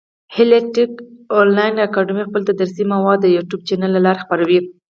هیله ټېک انلاین اکاډمي خپل تدریسي مواد د يوټیوب چېنل له لاري خپره وي.